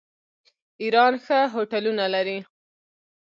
ایران ښه هوټلونه لري.